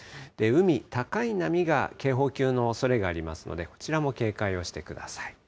海、高い波が警報級のおそれがありますので、こちらも警戒をしてください。